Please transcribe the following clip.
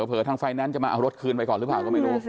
เผลอทางไฟแนนซ์จะมาเอารถคืนไปก่อนหรือเปล่าก็ไม่รู้